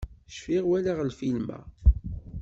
Cfiɣ walaɣ lfilm-a